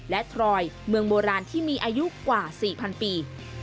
และทรอยเมืองโบราณที่มีอายุกว่า๔๐๐ปี